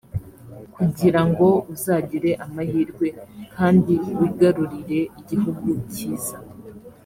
kugira ngo uzagire amahirwe kandi wigarurire igihugu cyiza